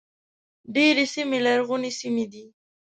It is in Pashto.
ډېرې سیمې لرغونې سیمې دي.